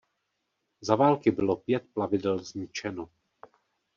Za války bylo pět plavidel zničeno.